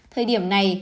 thời điểm này